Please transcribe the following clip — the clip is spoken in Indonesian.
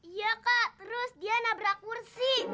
iya kak terus dia nabrak kursi